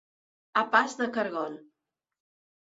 A pas de caragol.